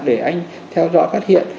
để anh theo dõi phát hiện